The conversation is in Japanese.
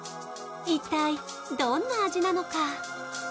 一体どんな味なのか！？